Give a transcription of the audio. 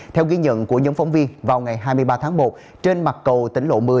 theo ghi nhận của nhóm phóng viên vào ngày hai mươi ba tháng một trên mặt cầu tỉnh lộ một mươi